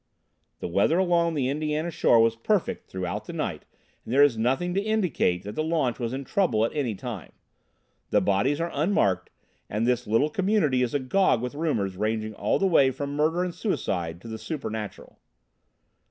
The weather along the Indiana shore was perfect throughout the night and there is nothing to indicate that the launch was in trouble at any time. The bodies are unmarked, and this little community is agog with rumors ranging all the way from murder and suicide to the supernatural.